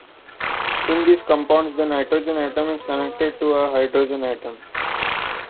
In these compounds the nitrogen atom is connected to a hydrogen atom.